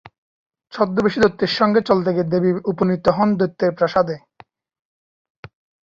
ছদ্মবেশী দৈত্যের সঙ্গে চলতে গিয়ে দেবী উপনীত হন দৈত্যের প্রাসাদে।